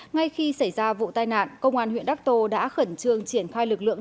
ngay khi xảy ra vụ tai nạn công an huyện đắc tô đã khẩn trương triển khai lực lượng